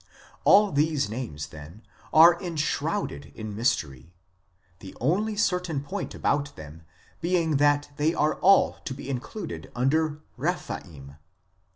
2 All these names, then, are enshrouded in mystery, the only certain point about them being that they are all to be included under " Rephaim."